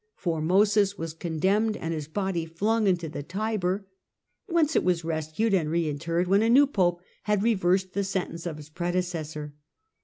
Formosus was condemned and his body flung into the Tiber, whence it was rescued and reinterred when a new Pope had reversed the sentence of his predecessor.